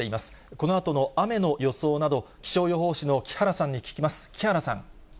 このあとの雨の予想など、気象予報士の木原さんに聞きます。